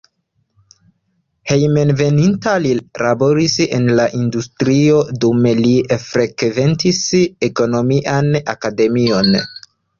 Hejmenveninta li laboris en la industrio, dume li frekventis ekonomian akademion.